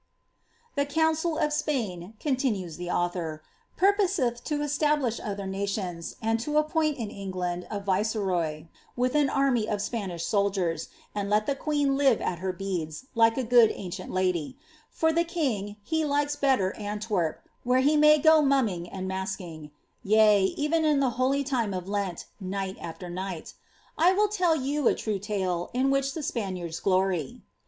^ The council of Spain," continues the author, ^ purposeth to establish other national, and to appoint in England a viceroy, with an army of Spanish soldiers, and let the queen live at her beads, like a good ancient lady ; for the king, he likes better Antwerp, where he may go mumming and masking ; yea, even in the holy time of Lent, night afteir night I will tell you a true tale, in which the Spaniards glory."